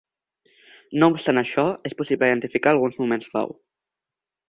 No obstant això, és possible identificar alguns moments clau.